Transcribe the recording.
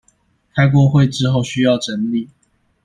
開過會之後需要整理